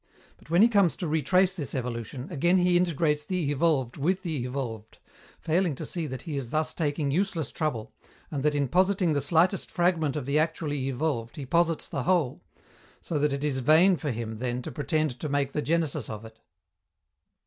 But when he comes to retrace this evolution, again he integrates the evolved with the evolved failing to see that he is thus taking useless trouble, and that in positing the slightest fragment of the actually evolved he posits the whole so that it is vain for him, then, to pretend to make the genesis of it.